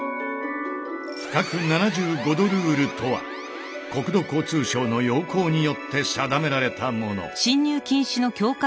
俯角７５度ルールとは国土交通省の要項によって定められたもの。